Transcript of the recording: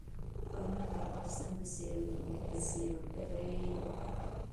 ښارونه د افغانستان د سیلګرۍ یوه برخه ده.